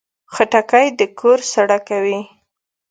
خټکی د کور سړه کوي.